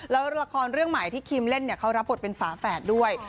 แล้วละครเรื่องใหม่ที่คิมเล่นเนี่ยเขารับบทเป็นฝาแฝดด้วย